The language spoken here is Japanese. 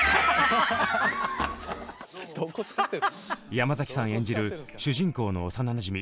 山崎さん演じる主人公の幼なじみ